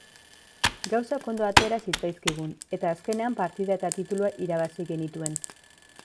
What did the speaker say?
Gauzak ondo atera zitzaizkigun eta azkenean partida eta titulua irabazi genituen.